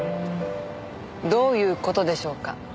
どういう事でしょうか？